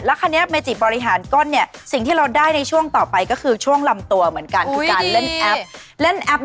แล้วก็เนี้ยเมจิบริหารก้นเนี้ยสิ่งที่เราได้ในช่วงต่อไปคือช่วงลำตัวเหมือนกัน